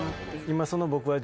今その僕は。